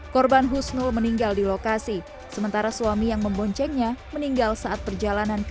korban husnul meninggal di lokasi sementara suami yang memboncengnya meninggal saat perjalanan ke